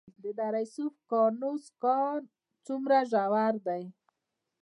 د دره صوف سکرو کان څومره ژور دی؟